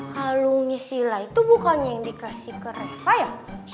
kalungnya silla itu bukannya yang dikasih ke reva ya